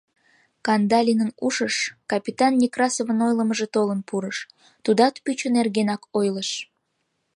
Кандалинын ушыш капитан Некрасовын ойлымыжо толын пурыш: «Тудат пӱчӧ нергенак ойлыш.